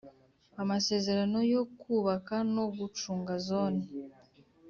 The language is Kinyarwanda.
Amasezerano yo kubaka no gucunga Zone